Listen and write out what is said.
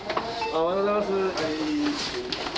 おはようございます。